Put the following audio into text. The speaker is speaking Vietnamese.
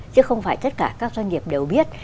chứ không phải tất cả các doanh nghiệp đều biết